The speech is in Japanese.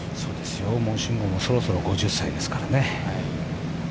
片山晋呉もそろそろ５０歳ですからね。